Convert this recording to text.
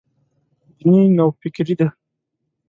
دیني نوفکري دی.